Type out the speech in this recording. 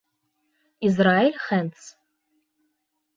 ИЗРАЭЛЬ ХЭНДС